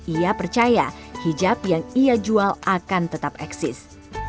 ia percaya hijab yang ia jual akan tetap eksis